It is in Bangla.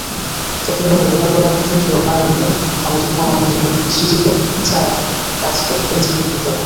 চট্টগ্রামের লোহাগাড়ার চুনতি অভয়ারণ্যে সামাজিক বনায়নের জন্য সৃজিত চারা গাছ কেটে ফেলেছে দুর্বৃত্তরা।